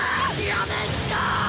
やめんか！